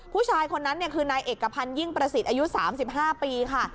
ผู้ชายคนนั้นคือนายเอกพันธ์ยิ่งประสิทธิ์อายุ๓๕ปีค่ะ